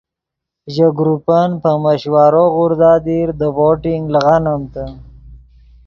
ژے گروپن پے مشورو غوردا دیر دے ووٹنگ لیغانمتے